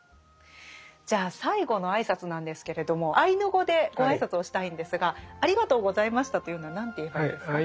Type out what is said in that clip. じゃあ最後の挨拶なんですけれどもアイヌ語でご挨拶をしたいんですが「ありがとうございました」というのは何て言えばいいんですか？